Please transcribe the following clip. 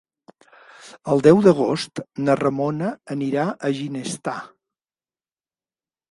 El deu d'agost na Ramona anirà a Ginestar.